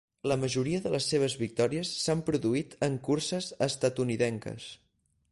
La majoria de les seves victòries s'han produït en curses estatunidenques.